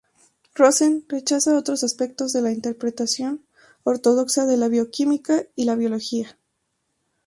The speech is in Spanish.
Rosen rechaza otros aspectos de la interpretación ortodoxa de la bioquímica y la biología.